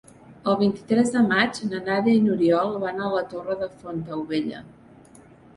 El vint-i-tres de maig na Nàdia i n'Oriol van a la Torre de Fontaubella.